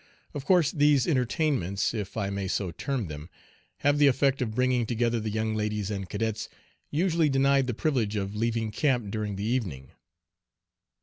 Of course these entertainments, if I may so term them, have the effect of bringing together the young ladies and cadets usually denied the privilege of leaving camp during the evening.